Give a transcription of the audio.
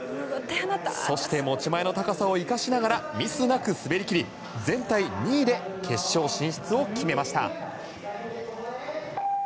そして、持ち前の高さを生かしながらミスなく滑り切り、全体２位で決勝進出を決めました。